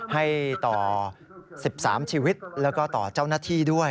ให้ต่อ๑๓ชีวิตแล้วก็ต่อเจ้าหน้าที่ด้วย